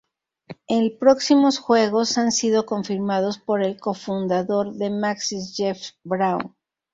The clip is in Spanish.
El próximos juegos han sido confirmados por el cofundador de Maxis Jeff Braun.